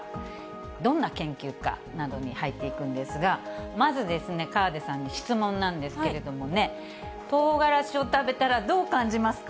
どんな研究かなどに入っていくんですが、まず、河出さんに質問なんですけれどもね、とうがらしを食べたらどう感じますか？